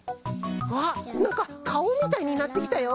あっなんかかおみたいになってきたよ！